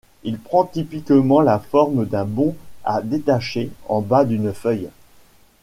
Il prend typiquement la forme d'un bon à détacher en bas d'une feuille.